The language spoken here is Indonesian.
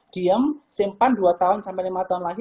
diem simpan dua lima tahun lagi